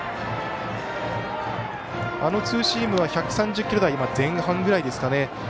あのツーシームは１３０キロ台前半ぐらいですかね。